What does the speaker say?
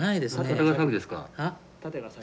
縦が先ですね。